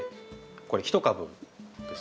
これ１株です。